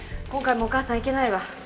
今回もお母さん行けないわ。